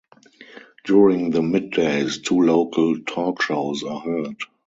During the middays, two local talk shows are heard.